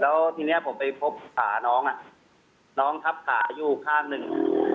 แล้วทีนี้ผมไปพบขาน้องน้องทับขาอยู่ข้างหนึ่ง